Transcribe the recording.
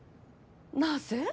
なぜ？